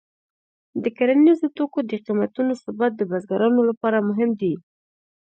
د کرنیزو توکو د قیمتونو ثبات د بزګرانو لپاره مهم دی.